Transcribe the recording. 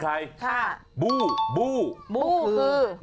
นานพี่เขาเปียกหมดแล้วนะ